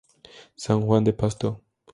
San Juan de Pasto.